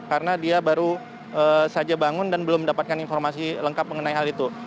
karena dia baru saja bangun dan belum mendapatkan informasi lengkap mengenai hal itu